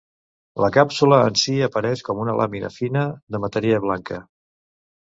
La càpsula en si apareix com una làmina fina de matèria blanca.